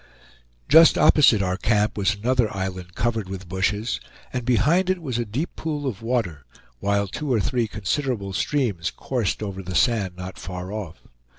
Just opposite our camp was another island covered with bushes, and behind it was a deep pool of water, while two or three considerable streams course'd over the sand not far off.